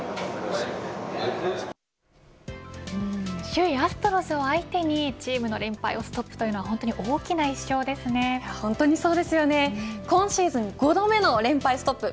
首位アストロズを相手にチームの連敗をストップというの今シーズン５度目の連敗ストップ。